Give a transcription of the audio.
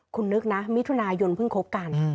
คุณนึกนะมิถุนายนเพิ่งคบกัน